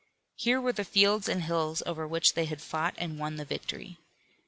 Here were the fields and hills over which they had fought and won the victory.